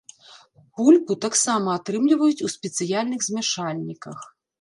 Пульпу таксама атрымліваюць у спецыяльных змяшальніках.